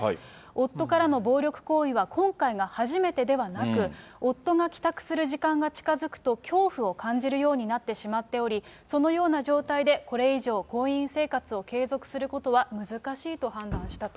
夫からの暴力行為は今回が初めてではなく、夫が帰宅する時間が近づくと恐怖を感じるようになってしまっており、そのような状態でこれ以上婚姻生活を継続することは難しいと判断